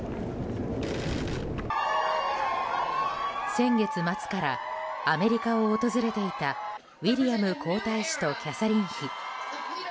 先月末からアメリカを訪れていたウィリアム皇太子とキャサリン妃。